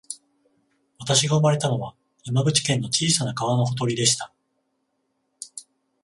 私が生まれたのは、山口県の小さな川のほとりでした